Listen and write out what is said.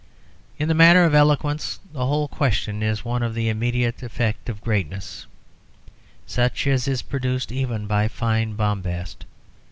In the matter of eloquence, the whole question is one of the immediate effect of greatness, such as is produced even by fine bombast.